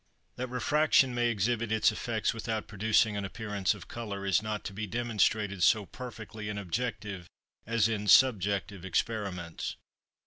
That refraction may exhibit its effects without producing an appearance of colour, is not to be demonstrated so perfectly in objective as in subjective experiments.